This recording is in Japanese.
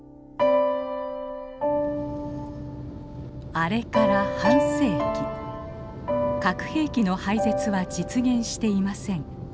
あれから半世紀核兵器の廃絶は実現していません。